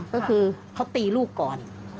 ก็คือเขาตีลูกก่อน